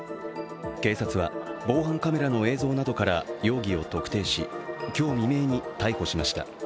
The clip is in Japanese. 警察は防犯カメラの映像などから容疑を特定し、今日未明に逮捕しました。